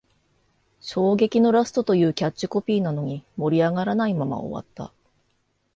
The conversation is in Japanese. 衝撃のラストというキャッチコピーなのに、盛り上がらないまま終わった